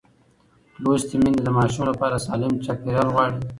لوستې میندې د ماشوم لپاره سالم چاپېریال غواړي.